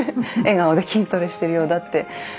笑顔で筋トレしてるようだって。